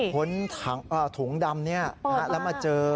พ้นถุงดำเนี่ยแล้วมาเจอ